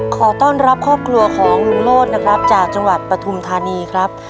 ขอต้อนรับครอบครัวของลุงโลศนะครับจากจังหวัดปฐุมธานีครับ